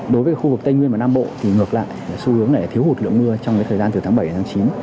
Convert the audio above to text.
đối với khu vực tây nguyên và nam bộ thì ngược lại xu hướng này thiếu hụt lượng mưa trong thời gian từ tháng bảy đến tháng chín